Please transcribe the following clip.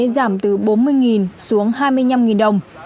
giảm từ bốn mươi xuống hai mươi năm đồng